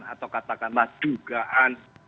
atau katakanlah dugaan